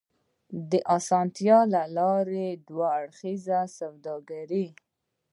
د اسانتيا له لارې دوه اړخیزه سوداګري